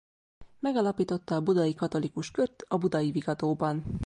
Megalapította a Budai Katolikus Kört a Budai Vigadóban.